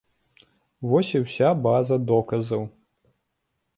Вось і ўся база доказаў.